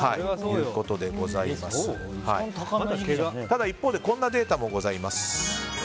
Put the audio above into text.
ただ、一方でこんなデータもございます。